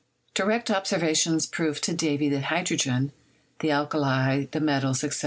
Direct observation proved to Davy that hydrogen, the alkalies, the metals, etc.